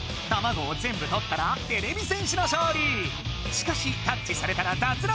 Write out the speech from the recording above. しかしタッチされたらだつらく。